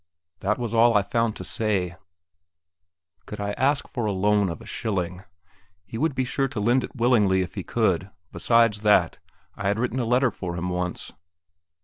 That was all I found to say. Could I ask for the loan of a shilling? He would be sure to lend it willingly if he could; besides that, I had written a letter for him once.